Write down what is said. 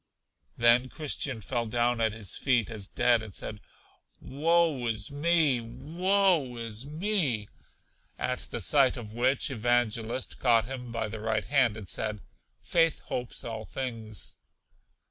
Then Christian fell down at his feet as dead, and said: Woe is me! Woe is me! At the sight of which, Evangelist caught him by the right hand, and said: Faith hopes all things.